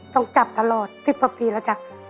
ต้องจับตลอด๑๐กว่าปีแล้วจ้ะ